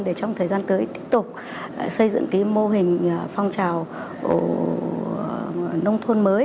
để trong thời gian tới tiếp tục xây dựng